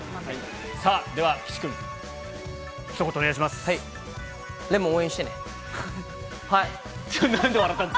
さあ、では岸君、ひと言お願いします。